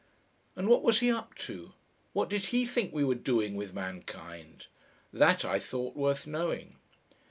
And what was he up to? What did HE think we were doing with Mankind? That I thought worth knowing.